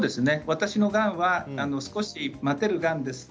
私のがんは待てるがんですか？